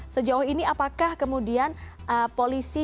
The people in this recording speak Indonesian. sejauh ini apakah kemudian polisi